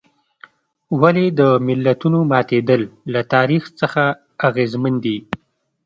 ولې د ملتونو ماتېدل له تاریخ څخه اغېزمن دي.